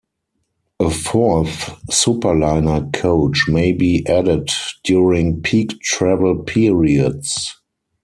A fourth Superliner coach may be added during peak travel periods.